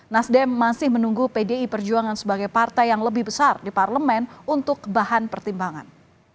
nasdem masih menunggu pdi perjuangan sebagai partai yang lebih besar di parlemen untuk bahan pertimbangan